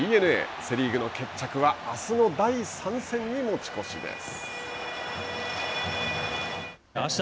セ・リーグの決着はあすの第３戦に持ち越しです。